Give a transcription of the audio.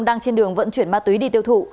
đang trên đường vận chuyển ma túy đi tiêu thụ